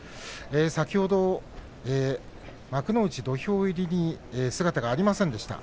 先ほど、幕内土俵入りに姿がありませんでした